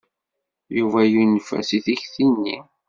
Yuba yunef-as i tikti-nni.